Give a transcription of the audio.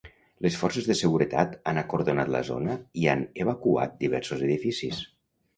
Les forces de seguretat han acordonat la zona i han evacuat diversos edificis.